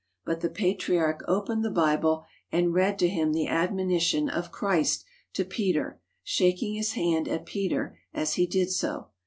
But the Patriarch opened the Bible and read to him the admonition of Christ to Peter, shaking his hand at Peter as he did so.